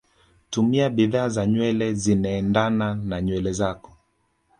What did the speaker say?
tumia bidhaa za nywele zinaendana na nywele zako